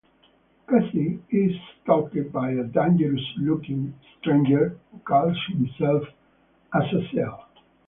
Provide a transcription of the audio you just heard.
Cassie is stalked by a "dangerous looking" stranger who calls himself Azazeal.